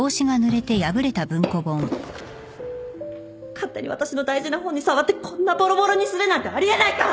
勝手に私の大事な本に触ってこんなぼろぼろにするなんてあり得ないから！